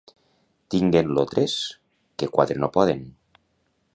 Tinguen-lo tres, que quatre no poden.